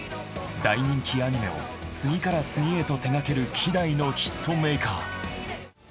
大人気アニメを次から次へと手がける希代のヒットメーカー。